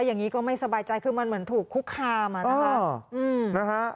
อย่างนี้ก็ไม่สบายใจคือมันเหมือนถูกคุกคามอะนะคะ